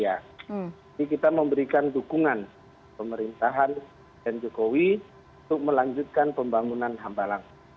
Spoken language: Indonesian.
jadi kita memberikan dukungan pemerintahan dan jokowi untuk melanjutkan pembangunan hembalang